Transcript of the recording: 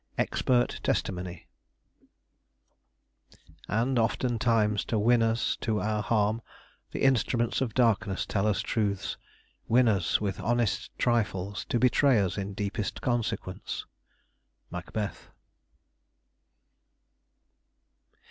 V. EXPERT TESTIMONY "And often times, to win us to our harm, The instruments of darkness tell us truths; Win us with honest trifles, to betray us In deepest consequence." Macbeth.